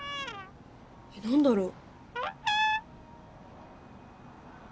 えっ何だろう？